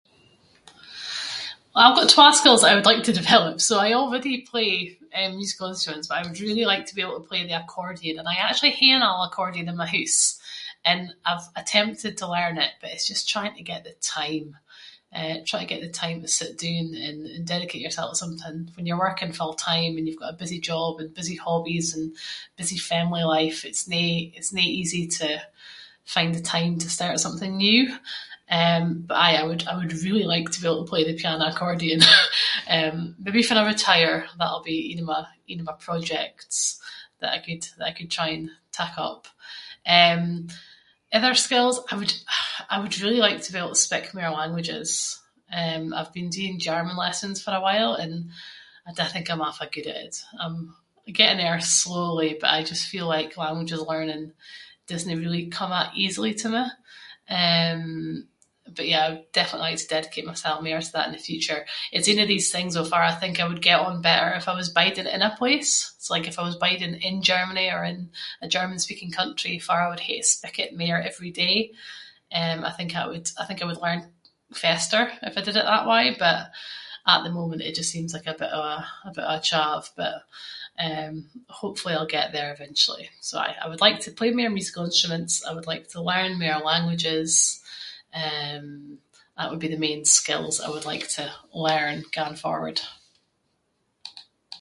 Well I’ve got twa skills that I’d like to develop. So I already play eh musical instruments, but I would really like to be able to play the accordion. And I actually hae an old accordion in my hoose and I’ve attempted to learn it, but it’s just trying to get the time eh- trying to get the time to sit doon and dedicate yoursel to something fann you’re working full-time and you’ve got a busy job and busy hobbies and busy family life, it’s no- it’s no easy to find the time to start something new. Eh but aye, I would- I would really like to be able to play the piano accordion. Maybe fann I retire, that’ll be ain of my- ain of my projects that I could- that I could try and tak up. Eh, other skills, I would really like- I would really like to be able to speak more languages. Eh, I’ve been doing German lessons for a while and I dinna think I’m awfu’ good at it. I’m getting there slowly but I just feel like languages learning doesnae really come that easily to me. Eh, but yeah I would definitely like to dedicate myself mair to that in the future. It’s ain of these things though farr I think I would get on better if I was biding in a place. So like if I was biding in Germany or in a German speaking country farr I would hae to speak it mair every day. Eh I think that would- I think I would learn faster if I did it that way, but at the moment it just seems like a bit of a- a bit of a [inc] But eh hopefully I’ll get there eventually. So aye, I would like to play mair musical instruments and I would like to learn mair languages, eh that would be the main skills I would like to learn going forward.